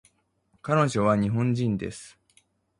彼女は日本人です